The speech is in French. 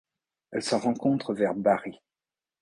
Elle se rencontre vers Bari.